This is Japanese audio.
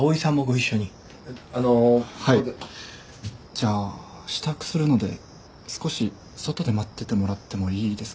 じゃあ支度するので少し外で待っててもらってもいいですか。